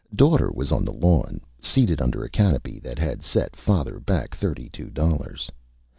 Daughter was on the Lawn, seated under a Canopy that had set Father back thirty two Dollars.